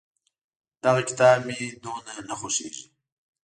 دغه کتاب مې دومره نه خوښېږي.